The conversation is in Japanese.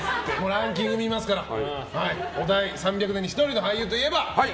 ランキング見ますから、お題３００年に一人の俳優といえば？